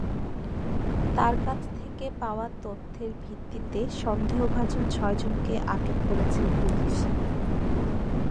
তাঁর কাছ থেকে পাওয়া তথ্যের ভিত্তিতে সন্দেহভাজন ছয়জনকে আটক করেছে পুলিশ।